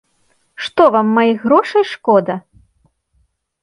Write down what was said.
Што вам маіх грошай шкода?